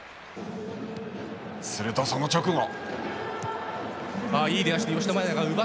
すると、その直後。